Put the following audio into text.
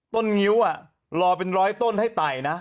งิ้วรอเป็นร้อยต้นให้ไต่นะ